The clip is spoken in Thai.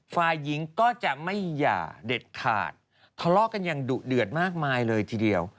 ฝ่ายหญิงก็จะไม่หย่าเด็ดขาดทะเลาะกันอย่างดุเดือดมากมายเลยทีเดียว